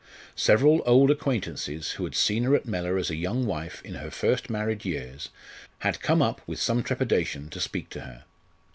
Several old acquaintances who had seen her at Mellor as a young wife in her first married years had come up with some trepidation to speak to her.